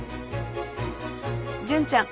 純ちゃん